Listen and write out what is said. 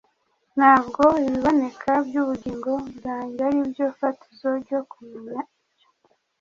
Ntabwo ibiboneka by'ubugingo bwanjye ari byo fatizo ryo kumenya ibyo.